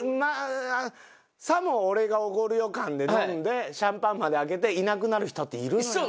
さも俺がおごるよ感で飲んでシャンパンまで開けていなくなる人っているのよ。